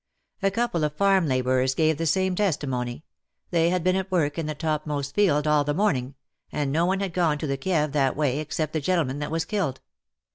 A couple of farm labourers gave the same testimony — they had been at work in the topmost field all the morning, and no one had gone to the Kieve that way except the gentleman that was killed.